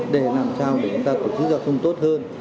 để làm sao để chúng ta có chức do thông tốt hơn